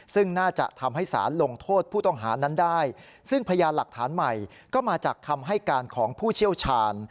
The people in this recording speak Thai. ซึ่งน่าจะทำให้สารลงโทษผู้ต้องหานั้นได้ซึ่งพยานหลักฐานใหม่ก็มาจากคำให้การของผู้เชี่ยวชาญ